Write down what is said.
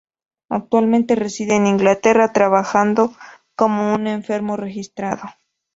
Actualmente reside en Inglaterra, trabajando como un enfermero registrado.